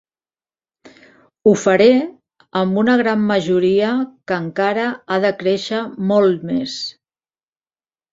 Ho faré amb una gran majoria que encara ha de créixer molt més.